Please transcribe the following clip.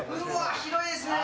広いですね！